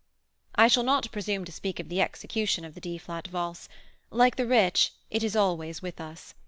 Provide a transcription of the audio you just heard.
I shall not presume to speak of the execution of the D flat Valse; like the rich, it is always with us.